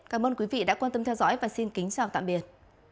cảm ơn quý vị đã quan tâm theo dõi và xin kính chào tạm biệt